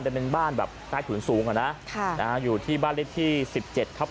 จะเป็นบ้านแบบใกล้ถุนสูงอ่ะนะค่ะนะฮะอยู่ที่บ้านเล็กที่สิบเจ็ดครับ